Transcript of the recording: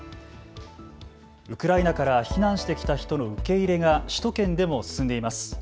ウクライナから避難してきた人の受け入れが首都圏でも進んでいます。